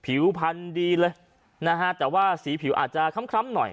ผิวพันธุ์ดีเลยนะฮะแต่ว่าสีผิวอาจจะคล้ำหน่อย